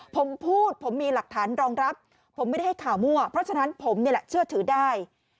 ผมพูดผมมีหลักฐานรองรับผมไม่ได้ให้ข่าวมั่วเพราะฉะนั้นผมนี่แหละเชื่อถือได้